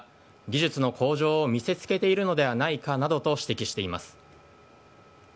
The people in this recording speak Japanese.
技術の向上を見せつけているのではないかなどと指摘しています。